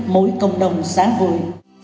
mỗi cộng đồng xã hội